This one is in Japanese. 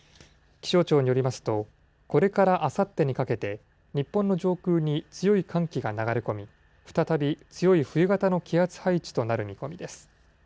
気象庁によりますと、これからあさってにかけて、日本の上空に強い寒気が流れ込み、再び強い冬型の気圧配置となる見込みです。